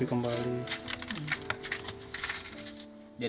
tidak ada agama yang salah